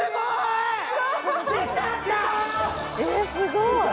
すごい！！